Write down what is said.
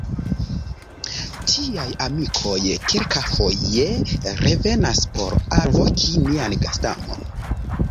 Tiaj „amikoj“ kelkafoje revenas por alvoki nian gastamon.